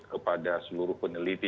kepada seluruh peneliti